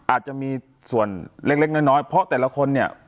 อาจจะมีส่วนเล็กน้อยเพราะแต่ละคนเนี่ย